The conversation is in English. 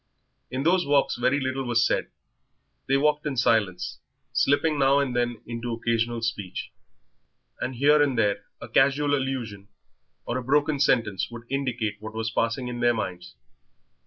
In those walks very little was said. They walked in silence, slipping now and then into occasional speech, and here and there a casual allusion or a broken sentence would indicate what was passing in their minds.